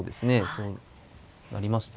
そうなりましたね。